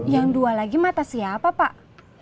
yang dua lagi mata siapa pak